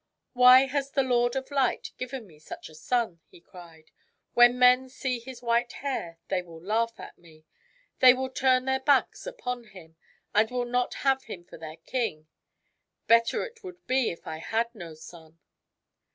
" Why has the Lord of Light given me such a son ?" he cried. " When men see his white hair they will laugh at me. They will turn their backs upon him, and will not have him for their king. Better it would be if I had no son."